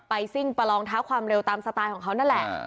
ซิ่งประลองเท้าความเร็วตามสไตล์ของเขานั่นแหละ